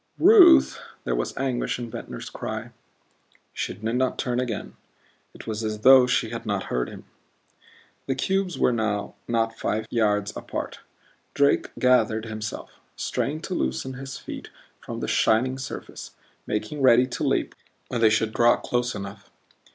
"Ruth!" There was anguish in Ventnor's cry. She did not turn again. It was as though she had not heard him. The cubes were now not five yards apart. Drake gathered himself; strained to loosen his feet from the shining surface, making ready to leap when they should draw close enough.